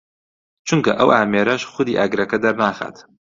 چونکە ئەو ئامێرەش خودی ئاگرەکە دەرناخات